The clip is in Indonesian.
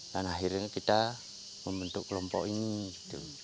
dan akhirnya kita membentuk kelompok ini